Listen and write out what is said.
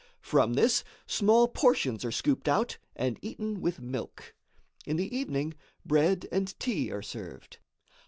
From this, small portions are scooped out and eaten with milk. In the evening, bread and tea are served.